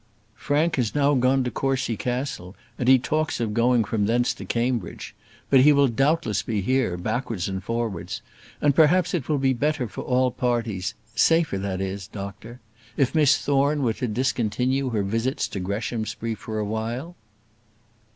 "Frank has now gone to Courcy Castle; and he talks of going from thence to Cambridge. But he will doubtless be here, backwards and forwards; and perhaps it will be better for all parties safer, that is, doctor if Miss Thorne were to discontinue her visits to Greshamsbury for a while."